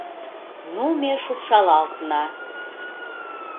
Ну, ме шупшалалтна.